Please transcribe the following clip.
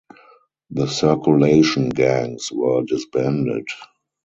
The circulation gangs were disbanded.